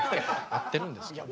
合ってるんですか？